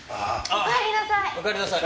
お帰りなさい。